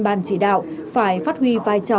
bàn chỉ đạo phải phát huy vai trò